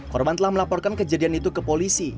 korban telah melaporkan kejadian itu ke polisi